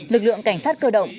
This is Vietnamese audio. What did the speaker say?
lực lượng cảnh sát cơ động